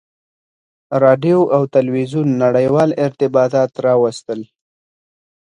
• راډیو او تلویزیون نړیوال ارتباطات راوستل.